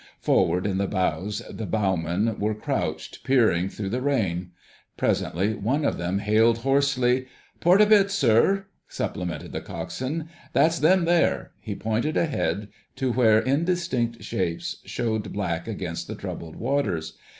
Forward in the bows the bowmen were crouched, peering through the rain. Presently one of them hailed hoarsely. "Port a bit, sir," supplemented the Coxswain. "That's them, there!" He pointed ahead to where indistinct shapes showed black against the troubled waters.